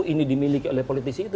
ini dimiliki oleh politisi itu